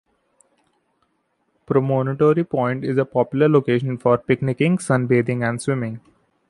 Promontory Point is a popular location for picnicking, sunbathing, and swimming.